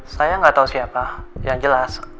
saya nggak tahu siapa yang jelas